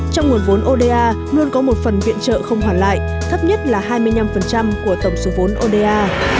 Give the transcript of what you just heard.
trong nguồn vốn oda luôn có một phần viện trợ không hoàn lại thấp nhất là hai mươi năm của tổng số vốn oda